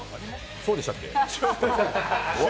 そうでしたっけ。